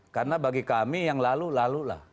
karena bagi kami yang lalu lalu lah